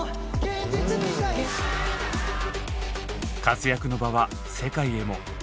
活躍の場は世界へも。